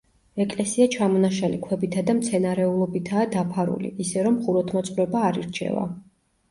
ეკლესია ჩამონაშალი ქვებითა და მცენარეულობითაა დაფარული, ისე რომ ხუროთმოძღვრება არ ირჩევა.